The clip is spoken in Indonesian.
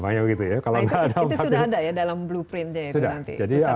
nah itu sudah ada ya dalam blueprintnya itu nanti